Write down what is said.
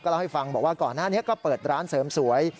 เล่าให้ฟังบอกว่าก่อนหน้านี้ก็เปิดร้านเสริมสวย